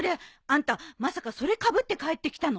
あんたまさかそれかぶって帰ってきたの？